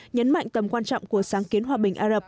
nhấn mạnh tầm quan trọng của sáng kiến hòa bình á rập